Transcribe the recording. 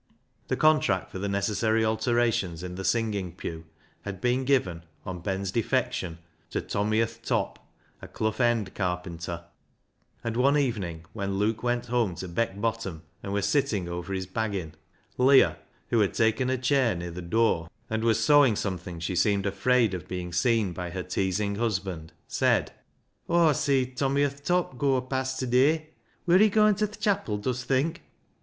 The contract for the necessary alterations in the singing pew had been given, on Ben's defection, to Tommy o' th' Top, a Clough End carpenter; and one evening when Luke went home to Beckbottom, and was sitting over his " baggin'," Leah, who had THE HARMONIUM 363 taken her chair near the door, and was sewing something she seemed afraid of being seen by her teasing husband, said — "Aw seed 'Tommy o' th' Top' goa past ta day. Wur he goin' to th' chapel, dust think